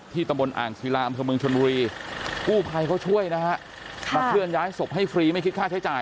ตำบลอ่างศิลาอำเภอเมืองชนบุรีกู้ภัยเขาช่วยนะฮะมาเคลื่อนย้ายศพให้ฟรีไม่คิดค่าใช้จ่าย